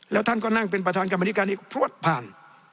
แล้วท่านก็นั่งเป็นประธานกรรมนิการอีกพลวดผ่าน